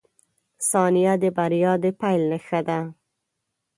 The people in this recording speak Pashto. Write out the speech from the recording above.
• ثانیه د بریا د پیل نښه ده.